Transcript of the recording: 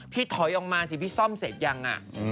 ถอยออกมาสิพี่ซ่อมเสร็จยัง